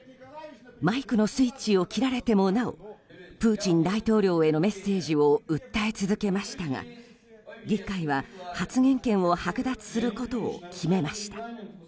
マイクのスイッチを切られてもなおプーチン大統領へのメッセージを訴え続けましたが議会は発言権を剥奪することを決めました。